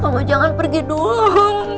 kamu jangan pergi dulu